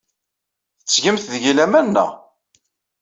Tettgemt deg-i laman, naɣ?